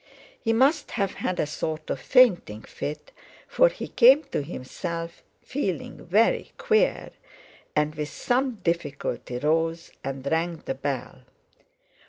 He must have had a sort of fainting fit, for he came to himself feeling very queer; and with some difficulty rose and rang the bell.